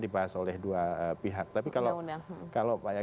dibahas oleh dua pihak tapi kalau